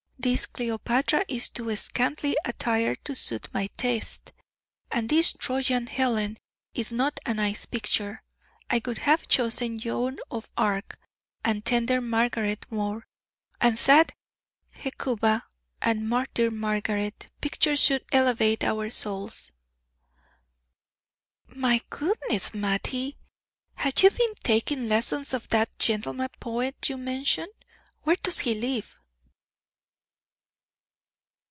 This Cleopatra is too scantily attired to suit my taste, and this Trojan Helen is not a nice picture. I would have chosen Joan of Arc, and tender Margaret More, and sad Hecuba, and martyr Margaret. Pictures should elevate our souls." "My goodness, Mattie! have you been taking lessons of that gentleman poet you mentioned? Where does he live!"